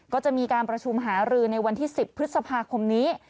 ก็จะมีการประชุมหารือในวันที่๑๐พฤษภาคมนี้